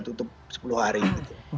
tutup sepuluh hari gitu